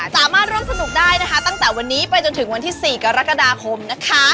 สามารถร่วมสนุกได้นะคะตั้งแต่วันนี้ไปจนถึงวันที่๔กรกฎาคมนะคะ